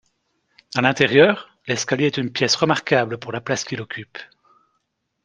A l'intérieur, l'escalier est une pièce remarquable pour la place qu'il occupe.